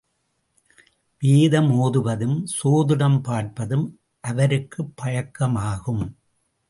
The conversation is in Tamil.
வேதம் ஓதுவதும், சோதிடம் பார்ப்பதும் அவருக்குப் பழக்கமாகும்.